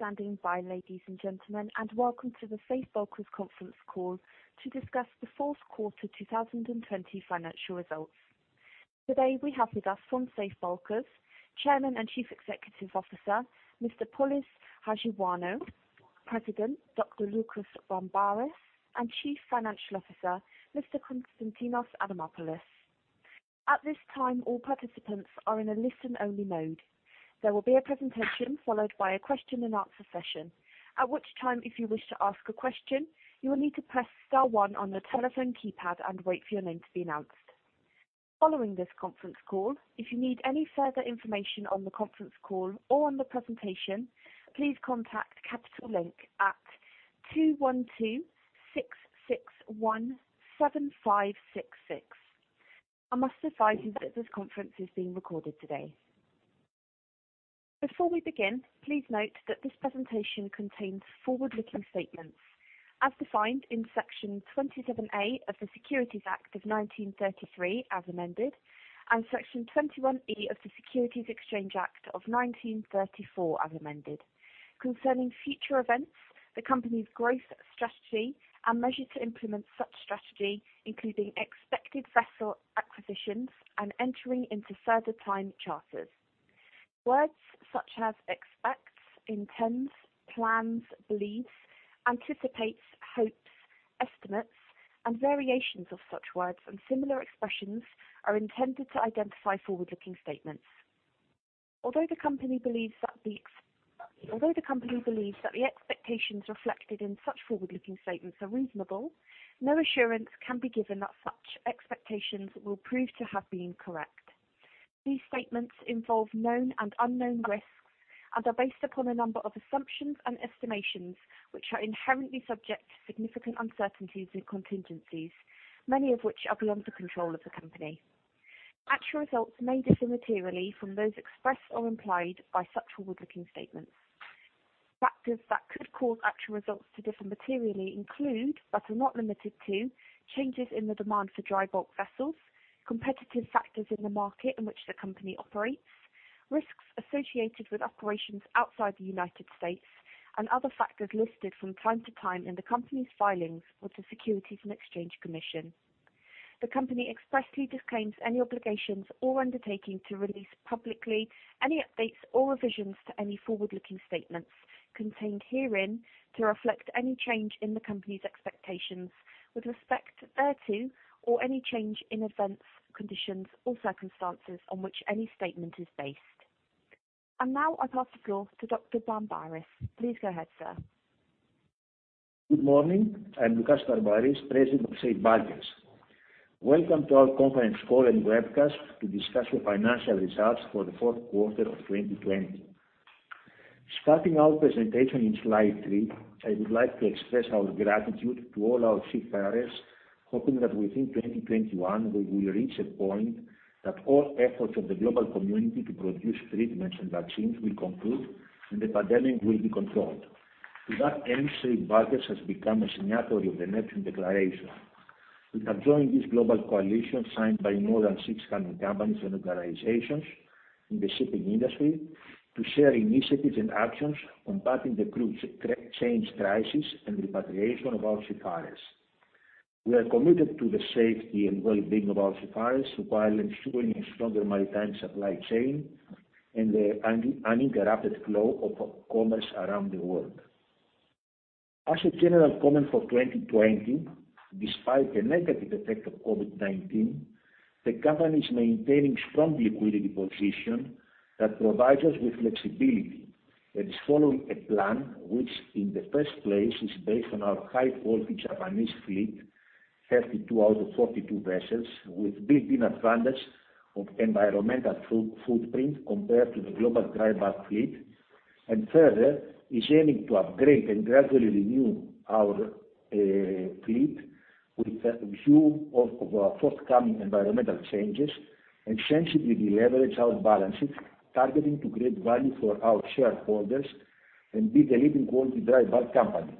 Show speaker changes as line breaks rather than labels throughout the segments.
Thank you for standing by, ladies and gentlemen, and welcome to the Safe Bulkers conference call to discuss the fourth quarter 2020 financial results. Today, we have with us from Safe Bulkers, Chairman and Chief Executive Officer, Mr. Polys Hajioannou, President, Dr. Loukas Barmparis, and Chief Financial Officer, Mr. Konstantinos Adamopoulos. At this time, all participants are in a listen-only mode. There will be a presentation followed by a question and answer session. Following this conference call, if you need any further information on the conference call or on the presentation, please contact Capital Link at 212-661-7566. I must advise you that this conference is being recorded today. Before we begin, please note that this presentation contains forward-looking statements as defined in Section 27A of the Securities Act of 1933 as amended, and Section 21E of the Securities Exchange Act of 1934 as amended, concerning future events, the company's growth, strategy, and measures to implement such strategy, including expected vessel acquisitions and entering into further time charters. Words such as expects, intends, plans, believes, anticipates, hopes, estimates, and variations of such words and similar expressions are intended to identify forward-looking statements. Although the company believes that the expectations reflected in such forward-looking statements are reasonable, no assurance can be given that such expectations will prove to have been correct. These statements involve known and unknown risks and are based upon a number of assumptions and estimations which are inherently subject to significant uncertainties and contingencies, many of which are beyond the control of the company. Actual results may differ materially from those expressed or implied by such forward-looking statements. Factors that could cause actual results to differ materially include, but are not limited to, changes in the demand for dry bulk vessels, competitive factors in the market in which the company operates, risks associated with operations outside the United States, and other factors listed from time to time in the company's filings with the Securities and Exchange Commission. The company expressly disclaims any obligations or undertaking to release publicly any updates or revisions to any forward-looking statements contained herein to reflect any change in the company's expectations with respect thereto, or any change in events, conditions, or circumstances on which any statement is based. Now I pass the floor to Dr. Barmparis. Please go ahead, sir.
Good morning. I am Loukas Barmparis, President of Safe Bulkers. Welcome to our conference call and webcast to discuss your financial results for the fourth quarter of 2020. Starting our presentation on slide three, I would like to express our gratitude to all our seafarers, hoping that within 2021, we will reach a point that all efforts of the global community to produce treatments and vaccines will conclude and the pandemic will be controlled. To that end, Safe Bulkers has become a signatory of the Neptune Declaration. We have joined this global coalition signed by more than 600 companies and organizations in the shipping industry to share initiatives and actions combating the crew change crisis and repatriation of our seafarers. We are committed to the safety and well-being of our seafarers while ensuring a stronger maritime supply chain and the uninterrupted flow of commerce around the world. As a general comment for 2020, despite the negative effect of COVID-19, the company is maintaining a strong liquidity position that provides us with flexibility and is following a plan, which in the first place is based on our high-quality Japanese fleet, 32 out of 42 vessels, with built-in advantage of environmental footprint compared to the global dry bulk fleet. Further, is aiming to upgrade and gradually renew our fleet with a view of forthcoming environmental changes and sensibly deleverage our balances, targeting to create value for our shareholders and be the leading quality dry bulk company.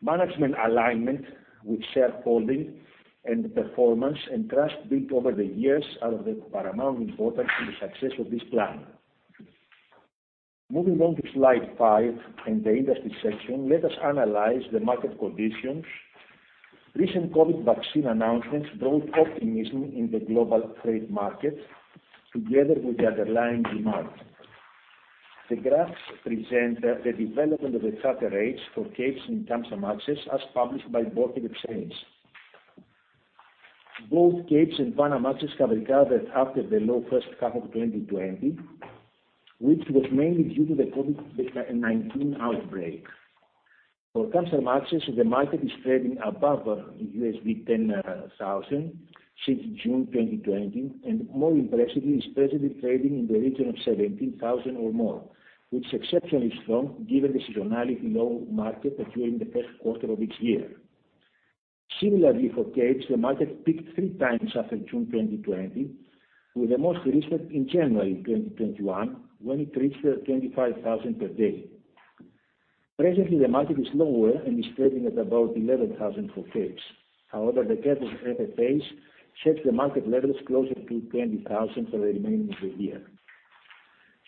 Management alignment with shareholding and performance and trust built over the years are of the paramount importance in the success of this plan. Moving on to slide five and the industry section, let us analyze the market conditions. Recent COVID vaccine announcements brought optimism in the global trade market together with the underlying demand. The graphs present the development of the charter rates for Capes and Kamsarmaxes as published by Baltic Exchange. Both Capes and Panamax have recovered after the low first half of 2020, which was mainly due to the COVID-19 outbreak. For Kamsarmaxes, the market is trading above $10,000 since June 2020, and more impressively, is presently trading in the region of $17,000 or more, which is exceptionally strong given the seasonality low market occurring the first quarter of each year. Similarly, for Capes, the market peaked three times after June 2020, with the most recent in January 2021, when it reached $25,000 per day. Presently, the market is lower and is trading at about $11,000 for Capes. However, the current FFAs sets the market levels closer to $20,000 for the remaining of the year.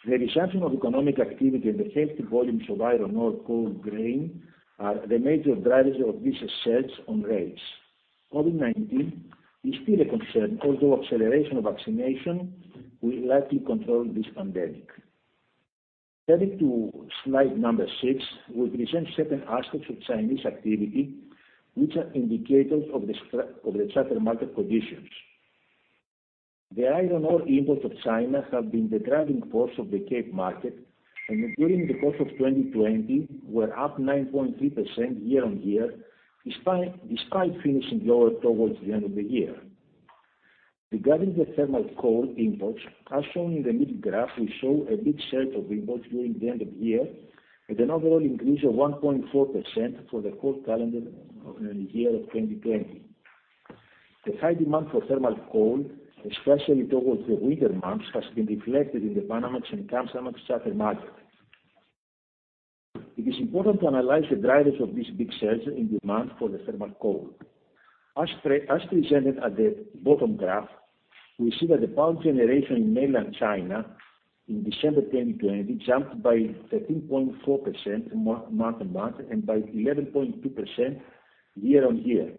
The resumption of economic activity and the healthy volumes of iron ore, coal, grain are the major drivers of this surge on rates. COVID-19 is still a concern, although acceleration of vaccination will likely control this pandemic. Heading to slide number six, we present certain aspects of Chinese activity which are indicators of the charter market conditions. The iron ore imports of China have been the driving force of the Cape market, and during the course of 2020, were up 9.3% year-on-year, despite finishing lower towards the end of the year. Regarding the thermal coal imports, as shown in the mid graph, we saw a big surge of imports during the end of year, with an overall increase of 1.4% for the whole calendar year of 2020. The high demand for thermal coal, especially towards the winter months, has been reflected in the Panamax and Kamsarmax charter market. It is important to analyze the drivers of this big surge in demand for the thermal coal. As presented at the bottom graph, we see that the power generation in mainland China in December 2020 jumped by 13.4% month-on-month and by 11.2% year-on-year.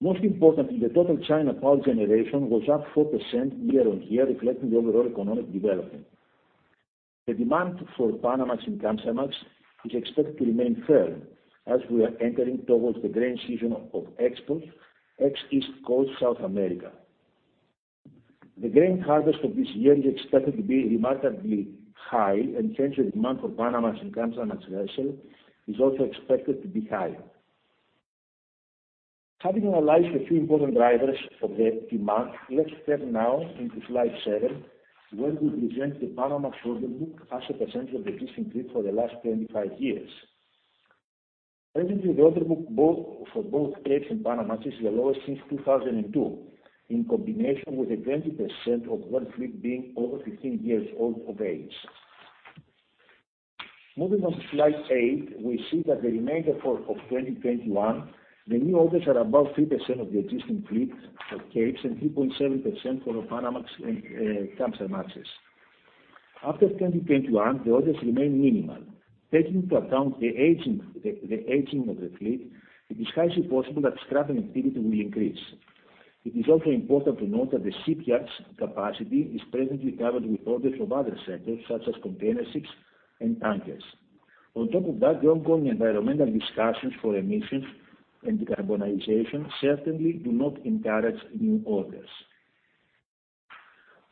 Most importantly, the total China power generation was up 4% year-on-year, reflecting the overall economic development. The demand for Panamax and Kamsarmax is expected to remain firm as we are entering towards the grain season of exports ex East Coast, South America. The grain harvest of this year is expected to be remarkably high, and hence, the demand for Panamax and Kamsarmax vessels is also expected to be high. Having analyzed a few important drivers of the demand, let's turn now to slide seven where we present the Panamax order book as a percentage of existing fleet for the last 25 years. Presently, the order book for both Capes and Panamax is the lowest since 2002, in combination with the 20% of world fleet being over 15 years old of age. Moving on to slide eight, we see that the remainder of 2021, the new orders are about 3% of the existing fleet of Capes and 3.7% for the Panamax and Kamsarmaxes. After 2021, the orders remain minimal. Taking into account the aging of the fleet, it is highly possible that scrapping activity will increase. It is also important to note that the shipyards' capacity is presently covered with orders from other sectors such as container ships and tankers. On top of that, the ongoing environmental discussions for emissions and decarbonization certainly do not encourage new orders.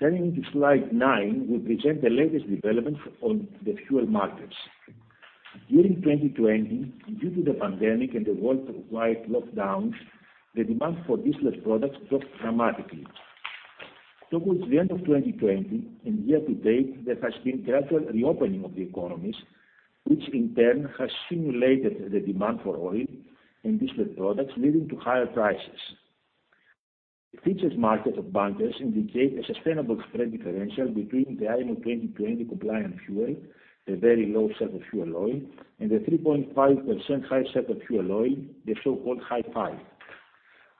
Turning to slide nine, we present the latest developments on the fuel markets. During 2020, due to the pandemic and the worldwide lockdowns, the demand for distilled products dropped dramatically. Towards the end of 2020 and year to date, there has been gradual reopening of the economies, which in turn has stimulated the demand for oil and distilled products, leading to higher prices. The futures market of bunkers indicate a sustainable spread differential between the IMO 2020 compliant fuel, the Very Low Sulfur Fuel Oil, and the 3.5% High Sulfur Fuel Oil, the so-called Hi-5.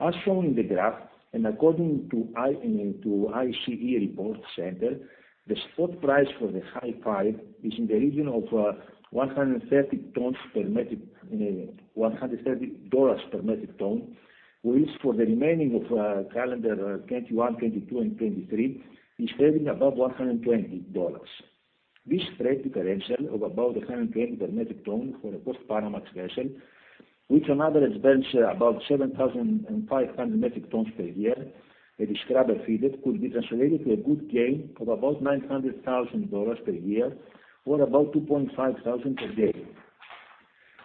As shown in the graph, according to ICE Report Center, the spot price for the Hi-5 is in the region of $130 per metric ton, which for the remaining of calendar 2021, 2022, and 2023 is trading above $120. This spread differential of about $120 per metric ton for a Post-Panamax vessel, which on average burns about 7,500 metric tons per year if scrubber fitted could be translated to a good gain of about $900,000 per year or about $2,500 per day.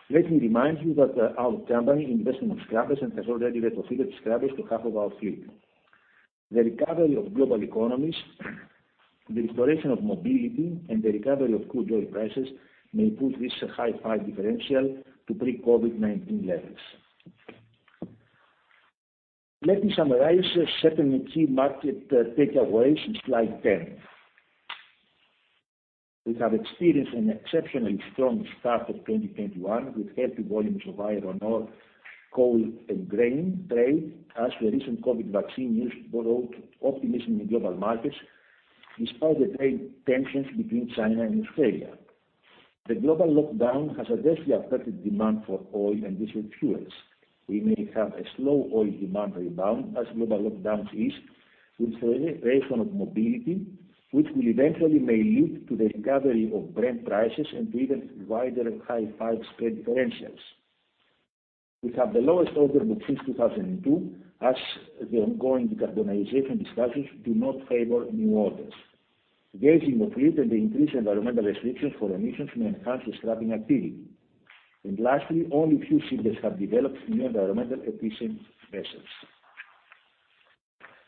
Let me remind you that our company invests in scrubbers and has already retrofitted scrubbers to half of our fleet. The recovery of global economies, the restoration of mobility, and the recovery of Brent Crude oil prices may push this Hi-5 differential to pre-COVID-19 levels. Let me summarize certain key market takeaways in slide 10. We have experienced an exceptionally strong start of 2021 with healthy volumes of iron ore, coal, and grain trade as the recent COVID vaccine news brought optimism in global markets despite the trade tensions between China and Australia. The global lockdown has adversely affected demand for oil and distilled fuels. We may have a slow oil demand rebound as global lockdowns ease with restoration of mobility, which will eventually may lead to the recovery of Brent prices and to even wider Hi-5 spread differentials. We have the lowest order book since 2002 as the ongoing decarbonization discussions do not favor new orders. The aging of fleet and the increased environmental restrictions for emissions may enhance the scrapping activity. Lastly, only a few shipbuilders have developed new environmental efficient vessels.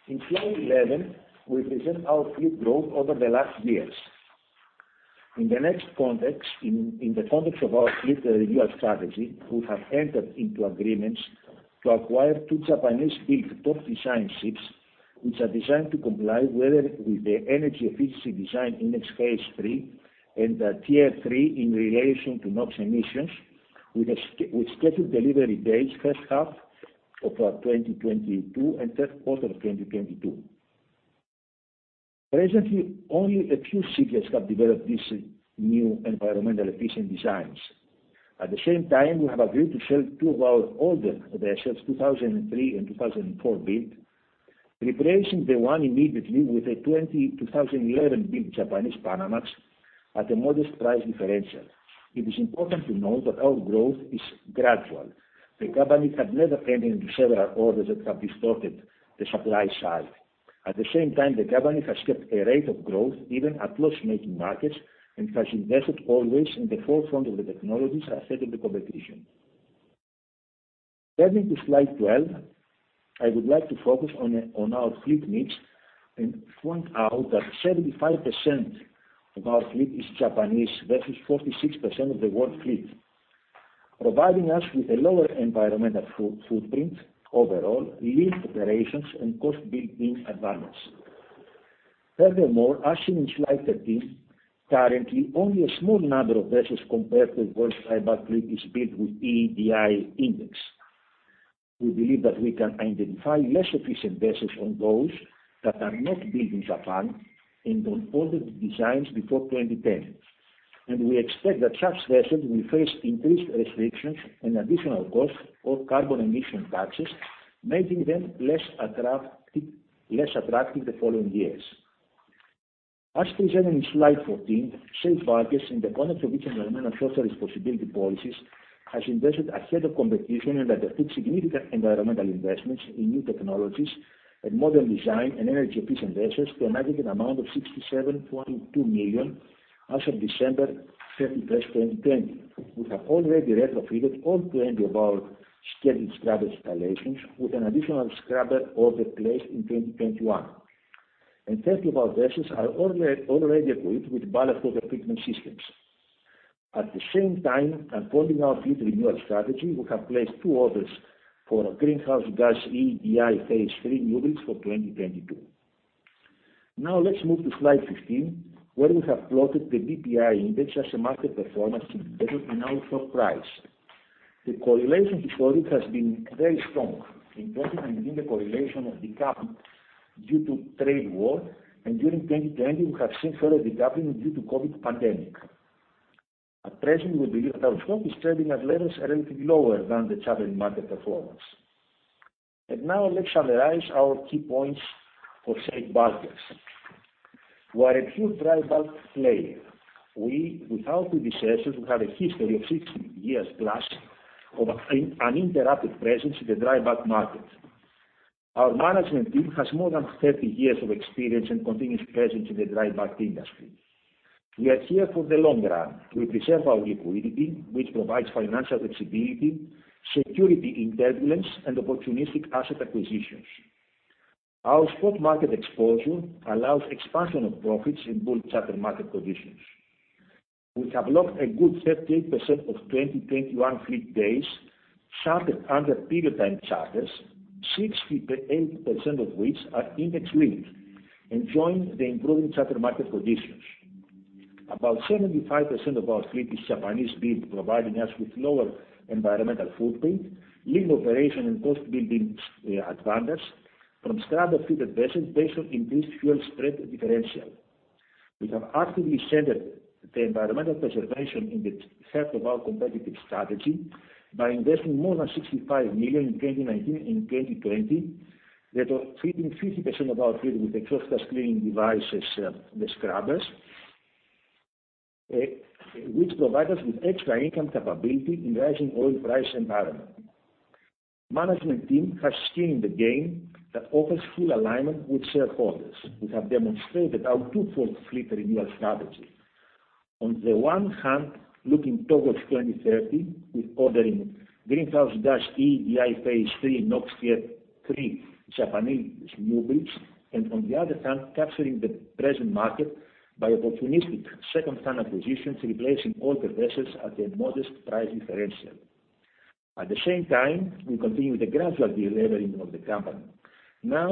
In slide 11, we present our fleet growth over the last years. In the context of our fleet renewal strategy, we have entered into agreements to acquire two Japanese-built Post-Panamax ships, which are designed to comply with the Energy Efficiency Design Index Phase 3 and the Tier III in relation to NOx emissions with scheduled delivery dates first half of our 2022 and third quarter of 2022. Presently, only a few shipyards have developed these new environmental efficient designs. At the same time, we have agreed to sell two of our older vessels, 2003 and 2004 build, replacing the one immediately with a 2011 build Japanese Panamax at a modest price differential. It is important to note that our growth is gradual. The company had never entered into several orders that have distorted the supply side. At the same time, the company has kept a rate of growth even at loss-making markets and has invested always in the forefront of the technologies ahead of the competition. Turning to slide 12, I would like to focus on our fleet mix and point out that 75% of our fleet is Japanese versus 46% of the world fleet, providing us with a lower environmental footprint overall, lean operations, and cost building advantage. As seen in slide 13, currently, only a small number of vessels compared to world dry bulk fleet is built with EEDI index. We believe that we can identify less efficient vessels on those that are not built in Japan and on older designs before 2010. We expect that such vessels will face increased restrictions and additional costs or carbon emission taxes, making them less attractive the following years. As presented in slide 14, Safe Bulkers, in the context of its environmental social responsibility policies, has invested ahead of competition and undertake significant environmental investments in new technologies and modern design and energy-efficient vessels to an aggregate amount of $67.2 million as of December 31st, 2020. We have already retrofitted all 20 of our scheduled scrubber installations with an additional scrubber order placed in 2021, and 10 of our vessels are already equipped with ballast water treatment systems. At the same time, according our fleet renewal strategy, we have placed two orders for greenhouse gas EEDI Phase III newbuilds for 2022. Let's move to slide 15, where we have plotted the BDI index as a market performance indicator in our chart price. The correlation historic has been very strong. In 2019, the correlation of decoupling due to trade war, and during 2020, we have seen further decoupling due to COVID pandemic. At present, we believe that our stock is trading at levels relatively lower than the charter market performance. Now let's summarize our key points for Safe Bulkers. We are a pure dry bulk player. With our 20 vessels, we have a history of 60 years+ of uninterrupted presence in the dry bulk market. Our management team has more than 30 years of experience and continuous presence in the dry bulk industry. We are here for the long run. We preserve our liquidity, which provides financial flexibility, security in turbulence, and opportunistic asset acquisitions. Our spot market exposure allows expansion of profits in bull charter market conditions. We have locked a good 38% of 2021 fleet days chartered under period time charters, 68% of which are index-linked, enjoying the improving charter market conditions. About 75% of our fleet is Japanese build, providing us with lower environmental footprint, lean operation, and cost building advantage from scrubber-fitted vessels based on increased fuel spread differential. We have actively centered the environmental preservation in the heart of our competitive strategy by investing more than $65 million in 2019 and 2020 that are fitting 50% of our fleet with exhaust cleaning devices, the scrubbers, which provide us with extra income capability in rising oil price environment. Management team has skin in the game that offers full alignment with shareholders. We have demonstrated our two-fold fleet renewal strategy. On the one hand, looking towards 2030 with ordering greenhouse gas EEDI Phase III NOx Tier III Japanese newbuilds, and on the other hand, capturing the present market by opportunistic secondhand acquisitions, replacing older vessels at a modest price differential. At the same time, we continue with the gradual de-levering of the company. I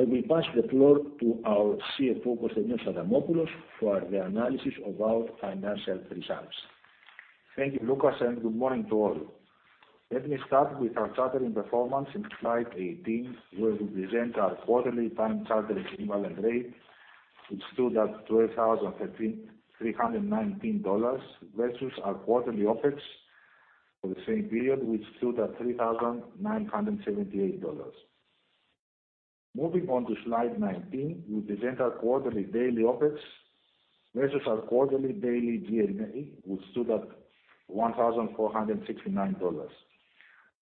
will pass the floor to our CFO, Konstantinos Adamopoulos, for the analysis of our financial results.
Thank you, Loukas, and good morning to all. Let me start with our chartering performance in slide 18, where we present our quarterly Time Charter Equivalent rate, which stood at $12,319, versus our quarterly OpEx for the same period, which stood at $3,978. Moving on to slide 19, we present our quarterly daily OpEx versus our quarterly daily G&A, which stood at $1,469.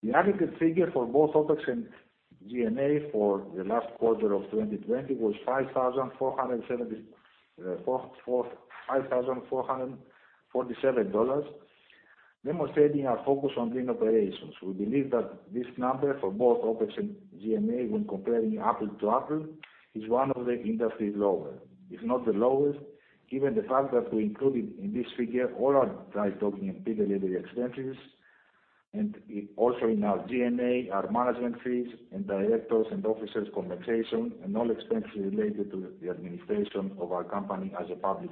The aggregate figure for both OpEx and G&A for the last quarter of 2020 was $5,447, demonstrating our focus on lean operations. We believe that this number for both OpEx and G&A when comparing apple to apple is one of the industry's lower, if not the lowest, given the fact that we included in this figure all our dry docking and period labor expenses. Also in our G&A, our management fees and directors and officers' compensation, and all expenses related to the administration of our company as a public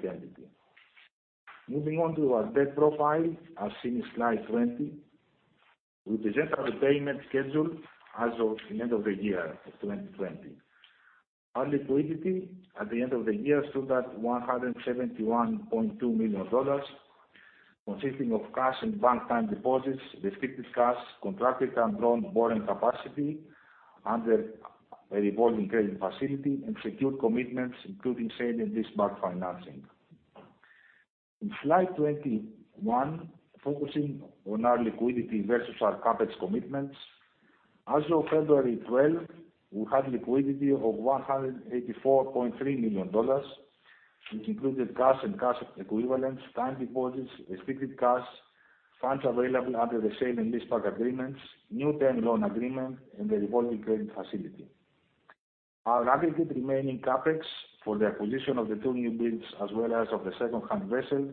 entity. Moving on to our debt profile, as seen in slide 20, we present our repayment schedule as of the end of the year of 2020. Our liquidity at the end of the year stood at $171.2 million, consisting of cash and bank time deposits, restricted cash, contracted and drawn borrowing capacity under a revolving credit facility and secured commitments, including sale and lease-back financing. In slide 21, focusing on our liquidity versus our CapEx commitments. As of February 12, we had liquidity of $184.3 million, which included cash and cash equivalents, time deposits, restricted cash, funds available under the sale and lease-back agreements, new term loan agreement, and the revolving credit facility. Our aggregate remaining CapEx for the acquisition of the two newbuilds, as well as of the secondhand vessel,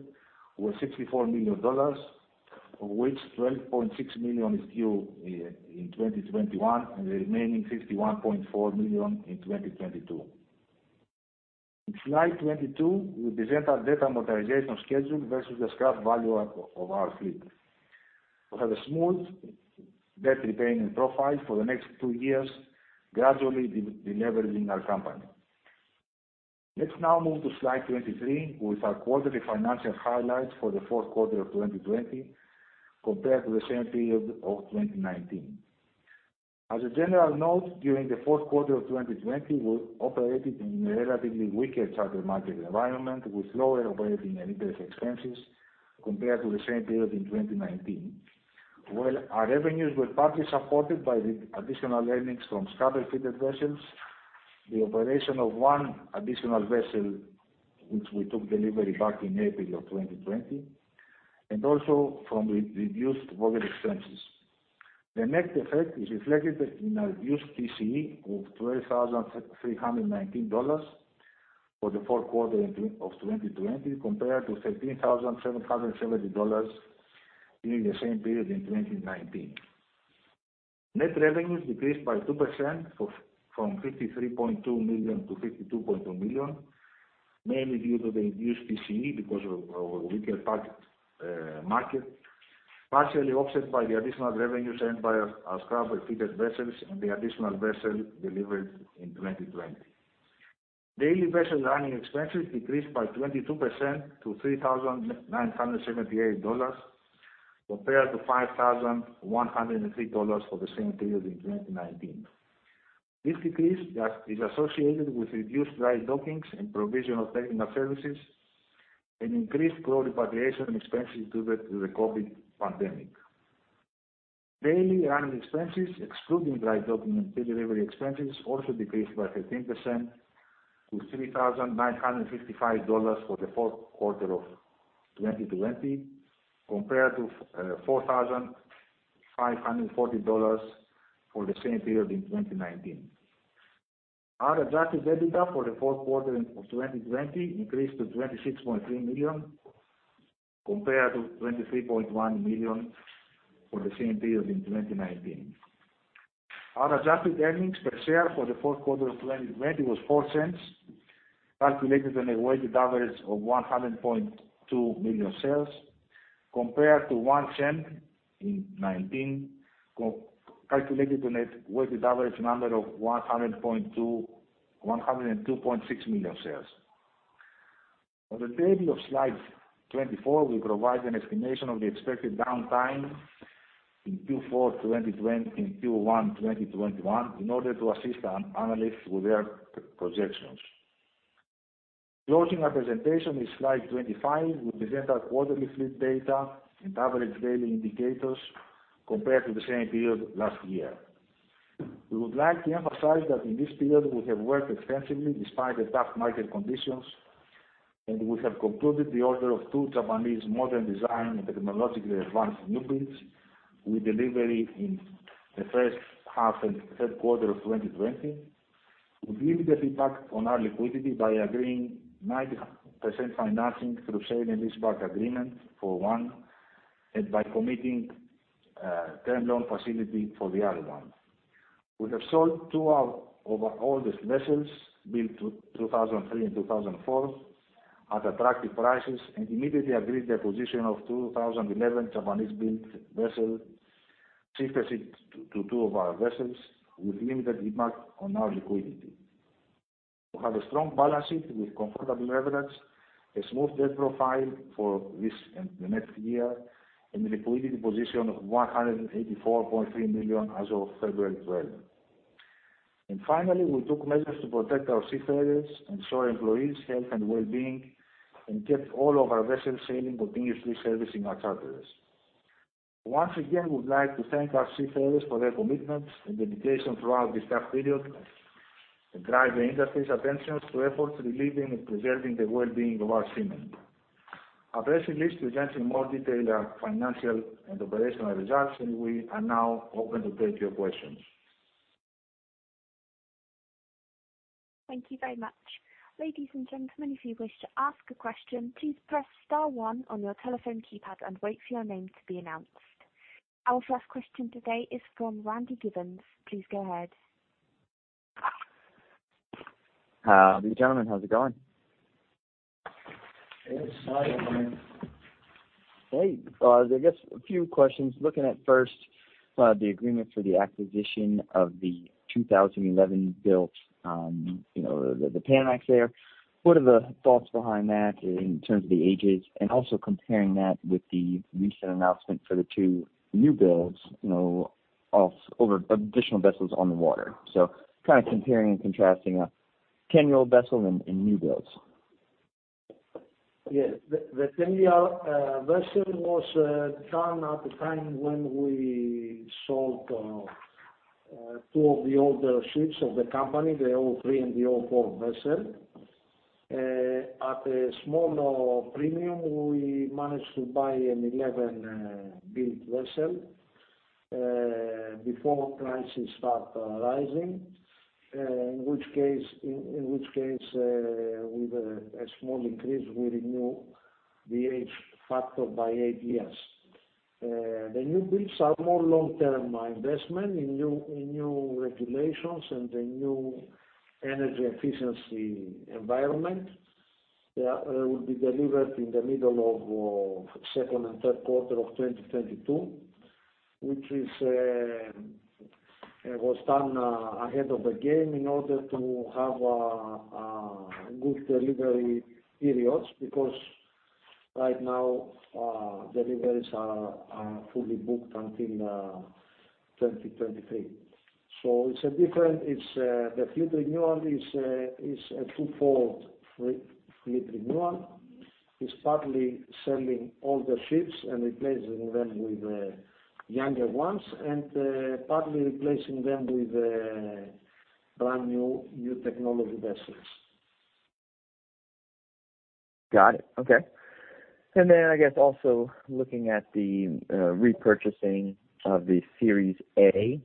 were $64 million, of which $12.6 million is due in 2021, and the remaining $51.4 million in 2022. In slide 22, we present our debt amortization schedule versus the scrap value of our fleet. We have a smooth debt repayment profile for the next two years, gradually de-leveraging our company. Let's now move to slide 23 with our quarterly financial highlights for the fourth quarter of 2020 compared to the same period of 2019. As a general note, during the fourth quarter of 2020, we operated in a relatively weaker charter market environment with lower operating and interest expenses compared to the same period in 2019. While our revenues were partly supported by the additional earnings from scrubber-fitted vessels, the operation of one additional vessel, which we took delivery back in April of 2020, and also from the reduced bunker expenses. The net effect is reflected in our reduced TCE of $12,319 for the fourth quarter of 2020 compared to $13,770 during the same period in 2019. Net revenues decreased by 2% from $53.2 million-$52.2 million, mainly due to the reduced TCE because of weaker market, partially offset by the additional revenues earned by our scrubber-fitted vessels and the additional vessel delivered in 2020. Daily vessel running expenses decreased by 22% to $3,978 compared to $5,103 for the same period in 2019. This decrease is associated with reduced dry dockings and provision of technical services and increased crew repatriation expenses due to the COVID pandemic. Daily running expenses, excluding dry docking and delivery expenses, also decreased by 13% to $3,955 for the fourth quarter of 2020 compared to $4,540 for the same period in 2019. Our adjusted EBITDA for the fourth quarter of 2020 increased to $26.3 million compared to $23.1 million for the same period in 2019. Our adjusted earnings per share for the fourth quarter of 2020 was $0.04, calculated on a weighted average of 100.2 million shares, compared to $0.01 in 2019, calculated on a weighted average number of 102.6 million shares. On the table of slide 24, we provide an estimation of the expected downtime in Q1 2021 in order to assist analysts with their projections. Closing our presentation in slide 25, we present our quarterly fleet data and average daily indicators compared to the same period last year. We would like to emphasize that in this period we have worked extensively despite the tough market conditions, and we have concluded the order of two Japanese modern design and technologically advanced newbuilds with delivery in the first half and third quarter of 2020. We immediately tapped on our liquidity by agreeing 90% financing through sale and lease-back agreement for one and by committing term loan facility for the other one. We have sold two of our oldest vessels, built 2003 and 2004 at attractive prices, and immediately agreed the acquisition of 2011 Japanese-built vessel, sister ship to two of our vessels, with limited impact on our liquidity. We have a strong balance sheet with comfortable leverage, a smooth debt profile for this and the next year, and a liquidity position of $184.3 million as of February 12. Finally, we took measures to protect our seafarers and shore employees health and well-being and kept all of our vessels sailing continuously, servicing our charters. Once again, we would like to thank our seafarers for their commitment and dedication throughout this tough period and drive the industry's attention to efforts relieving and preserving the well-being of our seamen. Our press release presents in more detail our financial and operational results, and we are now open to take your questions.
Thank you very much. Ladies and gentlemen, if you wish to ask a question, please press star one on your telephone keypad and wait for your name to be announced. Our first question today is from Randy Giveans. Please go ahead.
How are you, gentlemen? How's it going?
It's fine.
Great. I guess a few questions. Looking at first, the agreement for the acquisition of the 2011 built, the Panamax there. What are the thoughts behind that in terms of the ages? Also comparing that with the recent announcement for the two new builds, of additional vessels on the water. Comparing and contrasting a 10-year-old vessel and new builds.
Yeah. The 10-year vessel was done at the time when we sold two of the older ships of the company, the 2003 and the 2004 vessel. At a small premium, we managed to buy an 2011 built vessel before prices start rising, in which case with a small increase, we renew the age factor by eight years. The new builds are more long-term investment in new regulations and the new energy efficiency environment that will be delivered in the middle of second and third quarter of 2022, which was done ahead of the game in order to have good delivery periods, because right now deliveries are fully booked until 2023. The fleet renewal is a twofold fleet renewal. It's partly selling older ships and replacing them with younger ones and partly replacing them with brand new technology vessels.
Got it. Okay. I guess also looking at the repurchasing of the Series A.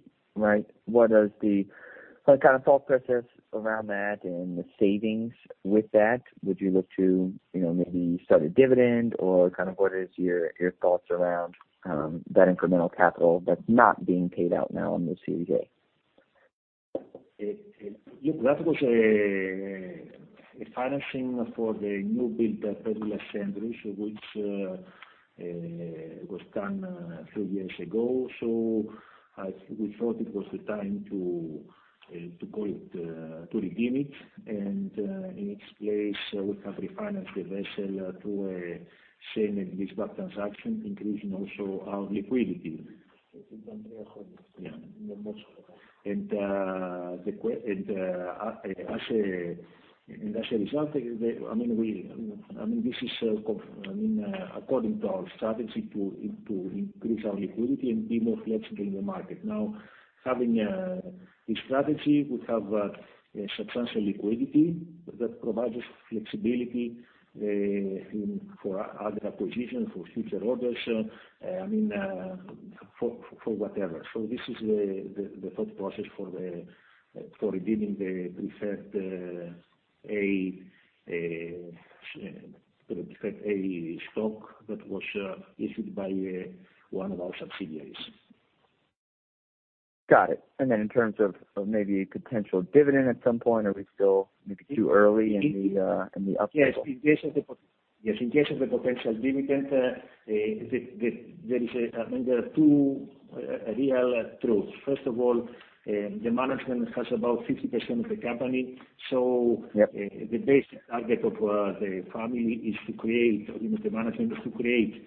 What kind of thought process around that and the savings with that? Would you look to maybe start a dividend or what is your thoughts around that incremental capital that's not being paid out now on the Series A?
That was a financing for the new build Pedhoulas Cherry, which was done a few years ago. We thought it was the time to redeem it, and in its place, we have refinanced the vessel through a sale and leaseback transaction, increasing also our liquidity. Yeah. As a result, according to our strategy to increase our liquidity and be more flexible in the market, now, having this strategy, we have substantial liquidity that provides us flexibility for other acquisitions, for future orders, for whatever. This is the thought process for redeeming the preferred A stock that was issued by one of our subsidiaries.
Got it. Then in terms of maybe a potential dividend at some point, are we still maybe too early in the up cycle?
Yes. In case of a potential dividend, there are two real truths. First of all, the management has about 50% of the company.
Yep.
The basic target of the family is to create a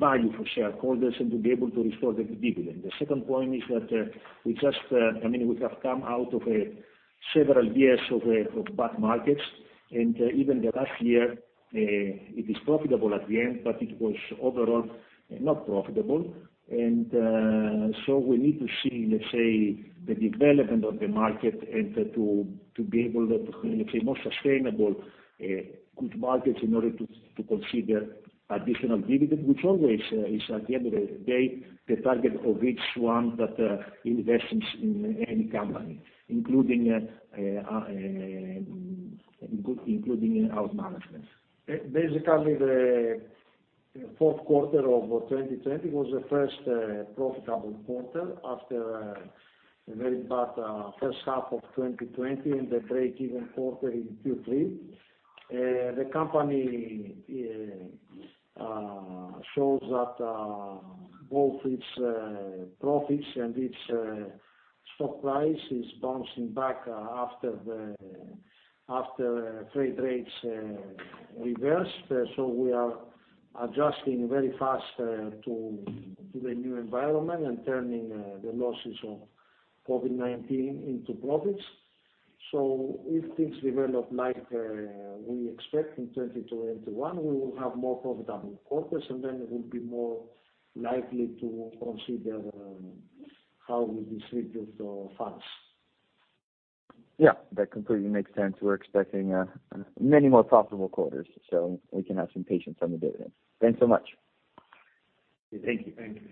value for shareholders and to be able to restore the dividend. The second point is that we have come out of several years of bad markets, and even the last year, it is profitable at the end, but it was overall not profitable. We need to see, let's say, the development of the market and to be able to, let's say, more sustainable good markets in order to consider additional dividend, which always is at the end of the day, the target of each one that invests in any company, including our management. The fourth quarter of 2020 was the first profitable quarter after a very bad first half of 2020 and the breakeven quarter in Q3. The company shows that both its profits and its stock price is bouncing back after freight rates reversed. We are adjusting very fast to the new environment and turning the losses of COVID-19 into profits. If things develop like we expect in 2021, we will have more profitable quarters, and then it will be more likely to consider how we distribute our funds.
Yeah, that completely makes sense. We're expecting many more profitable quarters, so we can have some patience on the dividend. Thanks so much.
Thank you. Thank you.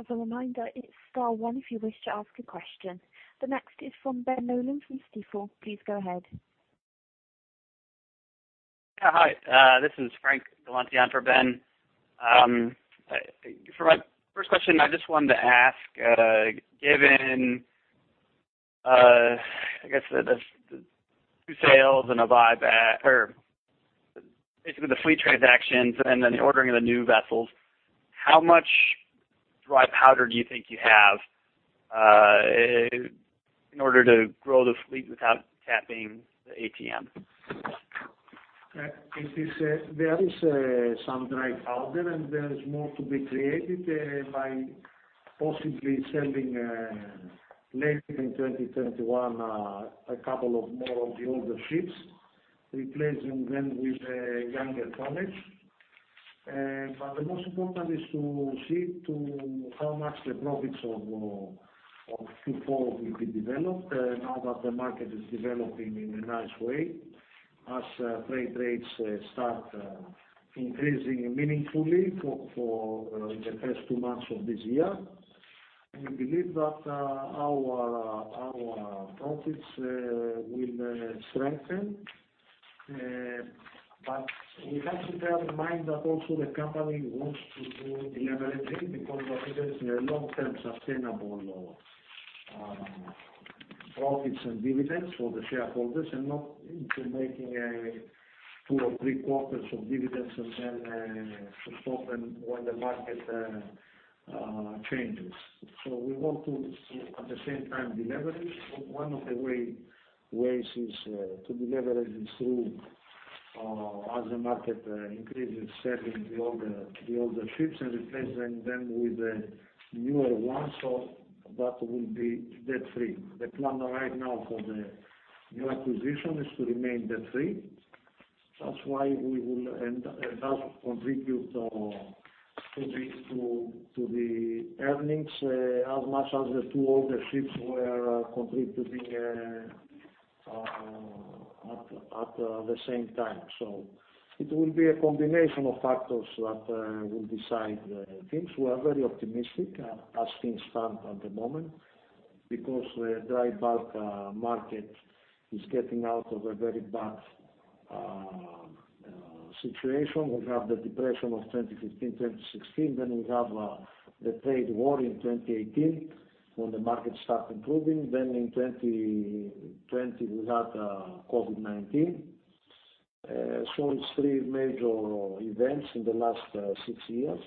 As a reminder, it's star one if you wish to ask a question. The next is from Ben Nolan from Stifel. Please go ahead.
Hi. This is Frank Galanti for Ben. For my first question, I just wanted to ask, given, I guess the two sales and a buyback or basically the fleet transactions and then the ordering of the new vessels, how much dry powder do you think you have in order to grow the fleet without tapping the ATM?
There is some dry powder and there is more to be created by possibly selling, later in 2021, a couple of more of the older ships, replacing them with younger tonnage. The most important is to see to how much the profits of Q4 will be developed now that the market is developing in a nice way, as freight rates start increasing meaningfully for the first two months of this year. We believe that our profits will strengthen. We have to bear in mind that also the company wants to do de-leveraging because it is a long-term sustainable profits and dividends for the shareholders and not into making a two or three quarters of dividends, and then to stop them when the market changes. We want to, at the same time, de-leverage. One of the ways is to de-leverage is through, as the market increases, selling the older ships and replacing them with the newer ones that will be debt-free. The plan right now for the new acquisition is to remain debt-free. That doesn't contribute to the earnings as much as the two older ships were contributing at the same time. It will be a combination of factors that will decide things. We are very optimistic as things stand at the moment because the drybulk market is getting out of a very bad situation. We have the depression of 2015, 2016. We have the trade war in 2018, when the market start improving. In 2020, we had COVID-19. It's three major events in the last six years.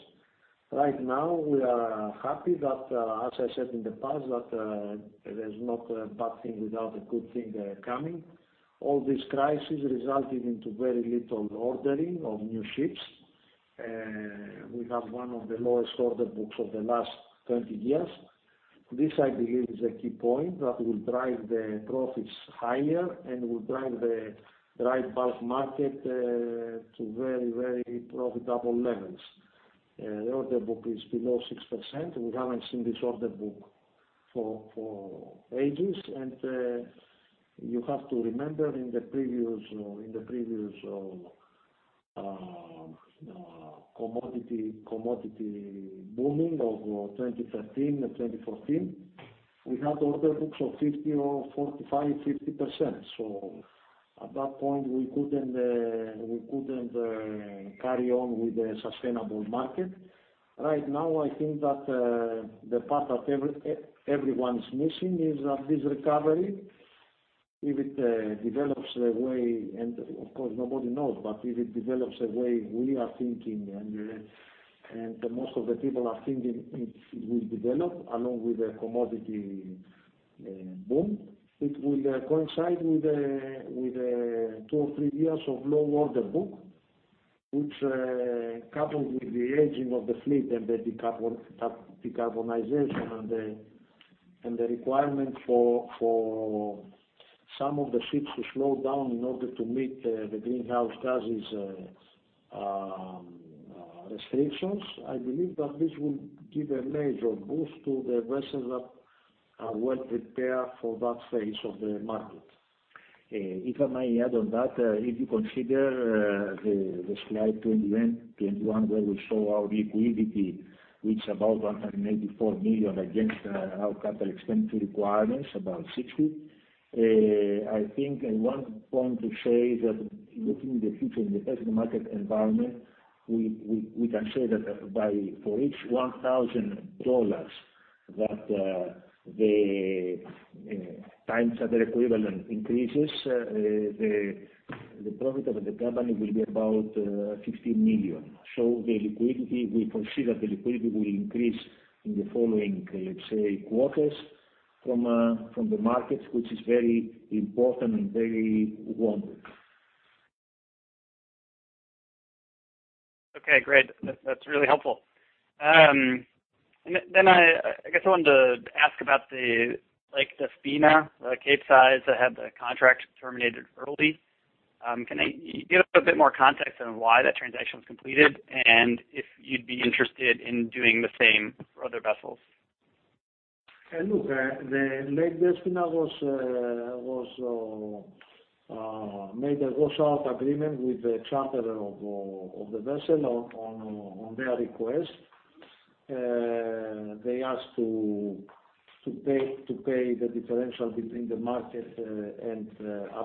Right now, we are happy that, as I said in the past, that there's no bad thing without a good thing coming. All this crisis resulted into very little ordering of new ships. We have one of the lowest order books of the last 20 years. This, I believe, is a key point that will drive the profits higher and will drive the drybulk market to very, very profitable levels. The order book is below 6%, and we haven't seen this order book for ages. You have to remember in the previous commodity booming of 2013 and 2014, we had order books of 50% or 45%-50%. At that point, we couldn't carry on with the sustainable market. Right now, I think that the part that everyone is missing is that this recovery, if it develops the way, and of course nobody knows, but if it develops the way we are thinking and most of the people are thinking it will develop along with the commodity boom, it will coincide with two or three years of low order book. Which coupled with the aging of the fleet and the decarbonization and the requirement for some of the ships to slow down in order to meet the greenhouse gases restrictions, I believe that this will give a major boost to the vessels that are well prepared for that phase of the market.
If I may add on that, if you consider the slide 2021, where we show our liquidity, which about $184 million against our capital expenditure requirements, about $60 million. I think at one point to say that looking in the future, in the present market environment, we can say that for each $1,000 that the Time Charter Equivalent increases, the profit of the company will be about $15 million. The liquidity, we foresee that the liquidity will increase in the following, let's say, quarters from the markets, which is very important and very wanted.
Okay, great. That's really helpful. I guess I wanted to ask about the Lake Despina Capesize that had the contract terminated early. Can you give a bit more context on why that transaction was completed, and if you'd be interested in doing the same for other vessels?
Look, the Lake Despina made a wash out agreement with the charterer of the vessel on their request. They asked to pay the differential between the market at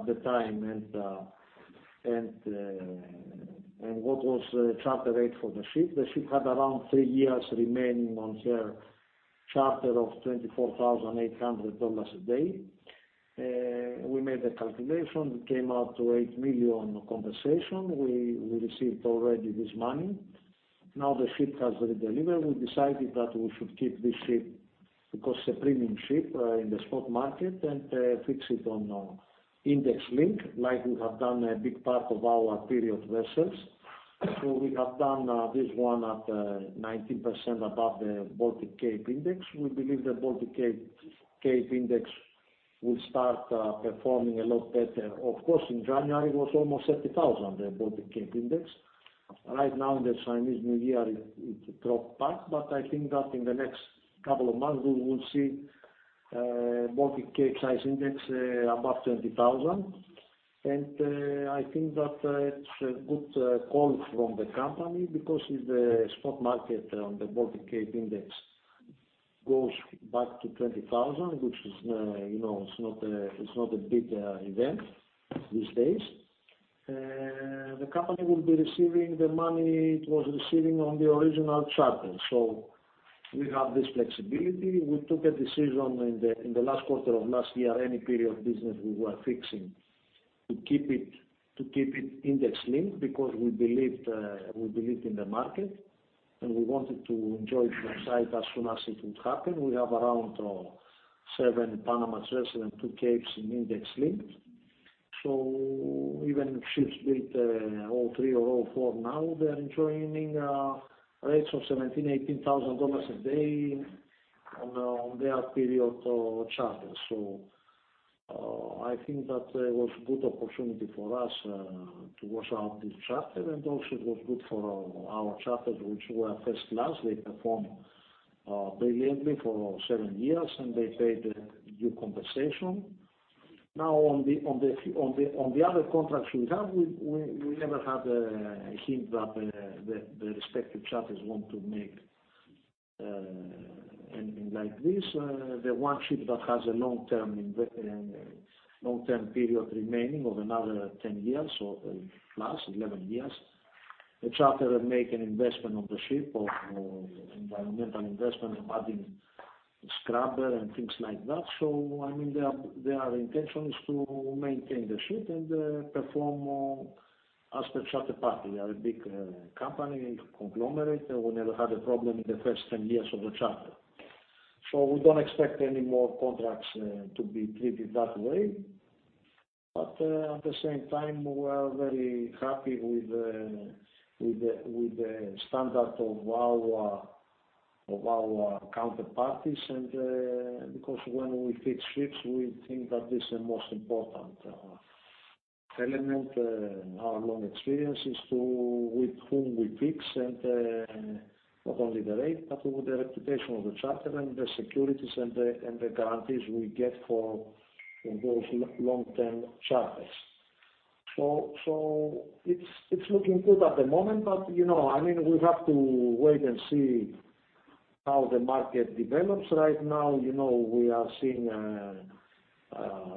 the time and what was the charter rate for the ship. The ship had around three years remaining on share charter of $24,800 a day. We made the calculation, it came out to $8 million compensation. We received already this money. The ship has redelivered. We decided that we should keep this ship because it's a premium ship in the spot market and fix it on index link, like we have done a big part of our period vessels. We have done this one at 19% above the Baltic Capesize Index. We believe the Baltic Capesize Index will start performing a lot better. Of course, in January it was almost 30,000, the Baltic Capesize Index. Right now in the Chinese New Year, it dropped back. I think that in the next couple of months, we will see Baltic Capesize Index above $20,000. I think that it's a good call from the company because if the spot market on the Baltic Capesize Index goes back to $20,000, which is not a big event these days, the company will be receiving the money it was receiving on the original charter. We have this flexibility. We took a decision in the last quarter of last year, any period business we were fixing to keep it index-linked because we believed in the market, and we wanted to enjoy the upside as soon as it would happen. We have around seven Panamax vessels and two Capes in index link. Even if ships beat all three or all four now, they're enjoying rates of $17,000, $18,000 a day on their period charters. I think that was a good opportunity for us to wash out this charter, and also it was good for our charters, which were first class. They performed brilliantly for seven years, and they paid due compensation. On the other contracts we have, we never had a hint that the respective charters want to make anything like this. The one ship that has a long-term period remaining of another 10 years or +11 years, the charter make an investment on the ship of environmental investment and adding scrubber and things like that. Their intention is to maintain the ship and perform as per charter party. They are a big company, conglomerate. We never had a problem in the first 10 years of the charter. We don't expect any more contracts to be treated that way. At the same time, we are very happy with the standard of our counterparties because when we fix ships, we think that this is the most important element in our long experience is to with whom we fix and not only the rate, but with the reputation of the charter and the securities and the guarantees we get for those long-term charters. It's looking good at the moment, but we have to wait and see how the market develops. Right now, we are seeing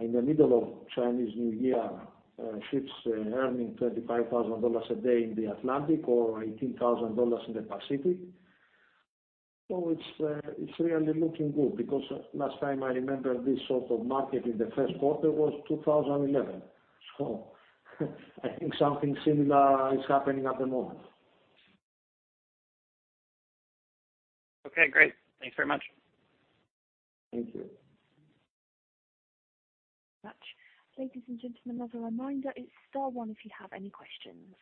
in the middle of Chinese New Year, ships earning $35,000 a day in the Atlantic or $18,000 in the Pacific. It's really looking good because last time I remember this sort of market in the first quarter was 2011. I think something similar is happening at the moment.
Okay, great. Thanks very much.
Thank you.
Ladies and gentlemen, as a reminder, it is star one if you have any questions.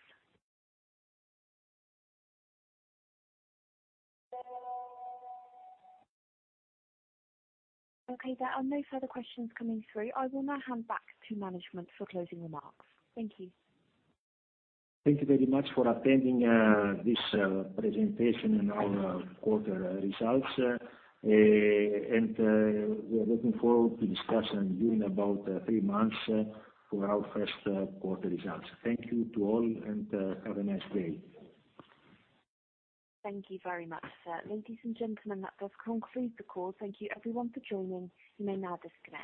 Okay, there are no further questions coming through. I will now hand back to management for closing remarks. Thank you.
Thank you very much for attending this presentation and our quarter results. We are looking forward to discussing during about three months for our first quarter results. Thank you to all, and have a nice day.
Thank you very much, sir. Ladies and gentlemen, that does conclude the call. Thank you everyone for joining. You may now disconnect.